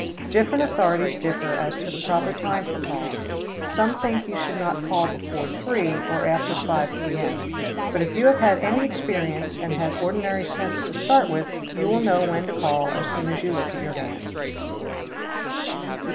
Different authorities differ as to the proper time for calling. Some think you should not call before 3 or after 5 P.M., but if you have had any experience and had ordinary sense to start with, you will know when to call as soon as you look at your hand.